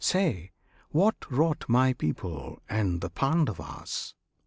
say What wrought my people, and the Pandavas?